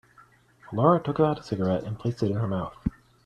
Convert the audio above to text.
Laura took out a cigarette and placed it in her mouth.